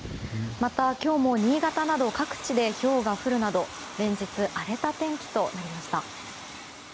また、今日も新潟など各地でひょうが降るなど連日、荒れた天気となりました。